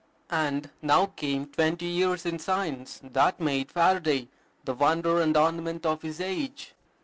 And now came twenty years in science that made Faraday the wonder and ornament of his age.